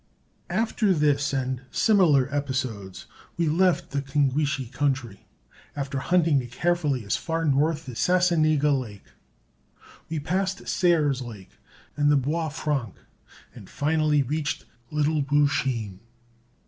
After this and similar episodes, we left the Kwingwishe country, after hunting it carefully as far north as Sassanega Lake. We passed Sair's Lake and the Bois Franc, and finally reached the Little Beauchene.